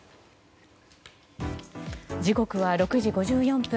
時刻は６時５４分。